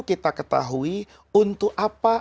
kita ketahui untuk apa